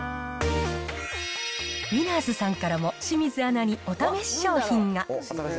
ウィナーズさんからも清水アナにお試し商品が。